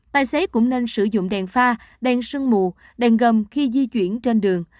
tài xế cũng nên sử dụng đèn pha đèn sương mù đèn gầm khi di chuyển trên đường